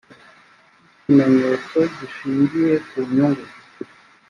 nk inkimenyetso gishingiye ku nyungu